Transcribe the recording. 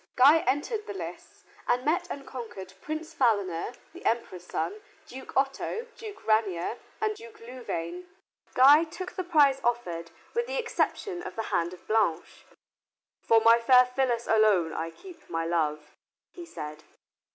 Guy entered the lists and met and conquered Prince Philaner, the Emperor's son, Duke Otto, Duke Ranier, and Duke Louvain. Guy took the prize offered with the exception of the hand of Blanche. "For my fair Phyllis alone I keep my love," he said.